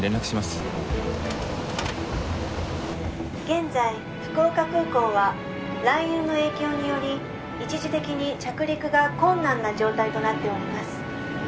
「現在福岡空港は雷雲の影響により一時的に着陸が困難な状態となっております」